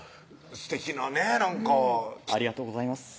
すてきなねなんかありがとうございます